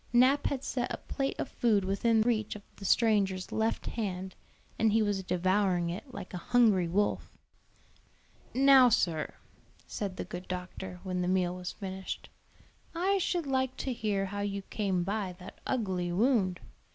Nap had set a plate of food within reach of the stranger's left hand, and he was devouring it like a hungry wolf. "Now, sir," said the good doctor, when the meal was finished, "I should like to hear how you came by that ugly wound.